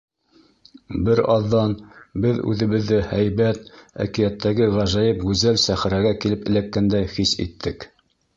Бер аҙҙан беҙ үҙебеҙҙе һәйбәт әкиәттәге ғәжәйеп гүзәл сәхрәгә килеп эләккәндәй хис иттек.